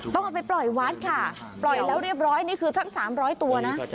ต้องเอาไปปล่อยวัดค่ะปล่อยแล้วเรียบร้อยนี่คือทั้ง๓๐๐ตัวนะ